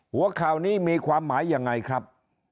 หัวข่าวนี้มีความหมายยังไงครับ